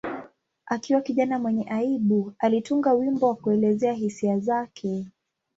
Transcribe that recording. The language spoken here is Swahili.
Akiwa kijana mwenye aibu, alitunga wimbo wa kuelezea hisia zake.